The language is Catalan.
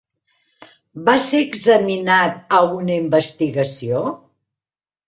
Vas ser examinat a una investigació?